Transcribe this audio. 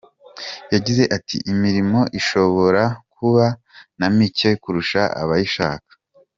Yagize ati “Imirimo ishobora kuba na mike kurusha abayishaka.